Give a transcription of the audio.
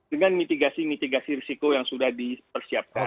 dengan mitigasi mitigasi risiko yang sudah dipersiapkan